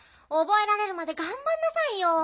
おぼえられるまでがんばんなさいよ。